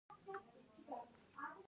زموږ اساسي حق د کرامت او احترام دی.